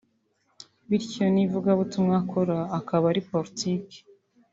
bityo n’ivugabutumwa akora akaba ari politiki